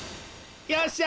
よっしゃ！